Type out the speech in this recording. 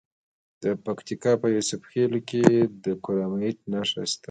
د پکتیکا په یوسف خیل کې د کرومایټ نښې شته.